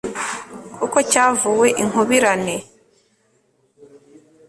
kuko cyavuwe inkubirane